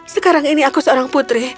sekarang ini aku seorang putri